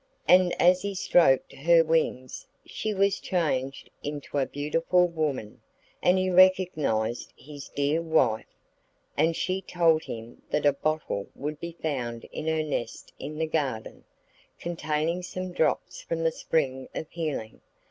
And as he stroked her wings she was changed into a beautiful woman, and he recognised his dear wife. And she told him that a bottle would be found in her nest in the garden, containing some drops from the spring of healing.